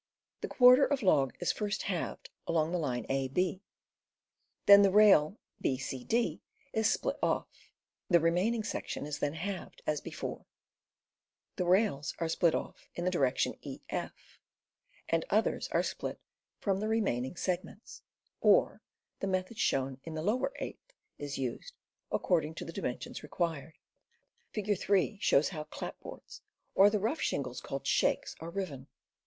The quarter of log is first halved along the line ab; then the rail bed is split off; the remaining section is then halved as before; the rails are split off in the direction ef, and others are split from the remaining segments; or the method shown in the lower eighth is used, according to the dimensions required. Figure 3 shows how clapboards, or the rough shingles called shakes, are riven.